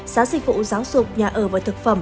giá dịch vụ giáo dục nhà ở và thực phẩm